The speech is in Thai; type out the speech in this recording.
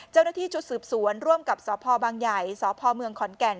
เจ้าหน้าที่ชุดสืบสวนร่วมกับสพบางใหญ่สพเมืองขอนแก่น